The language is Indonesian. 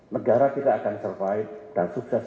negara kita akan survive dan sukses